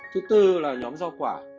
thứ bốn là nhóm rau quả